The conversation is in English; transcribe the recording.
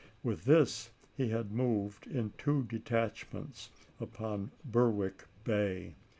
With this he had moved, in two detachments, upon Berwick Bay.